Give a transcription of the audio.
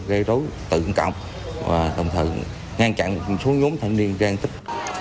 gây rối tự cộng và thông thường ngăn chặn số nhóm thành niên gian tích